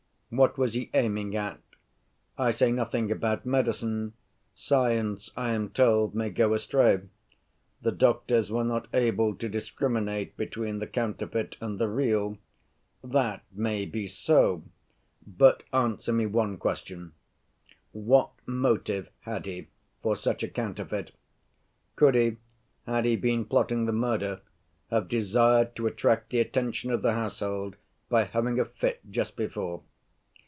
What was he aiming at? I say nothing about medicine: science, I am told, may go astray: the doctors were not able to discriminate between the counterfeit and the real. That may be so, but answer me one question: what motive had he for such a counterfeit? Could he, had he been plotting the murder, have desired to attract the attention of the household by having a fit just before?